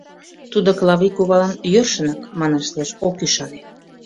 Тудо Клави кувалан йӧршынак, манаш лиеш, ок ӱшане.